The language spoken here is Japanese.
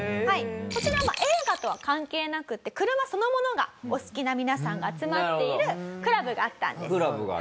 こちらまあ映画とは関係なくて車そのものがお好きな皆さんが集まっているクラブがあったんです。